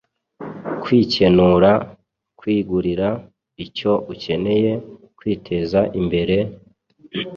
Kwikenura: kwigurira icyo ukeneye, kwiteza imbere...